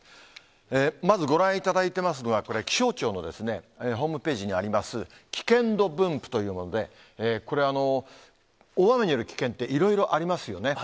まずご覧いただいてますのは、これ、気象庁のホームページにあります、危険度分布というもので、これ、大雨による危険っていろいろありますよね。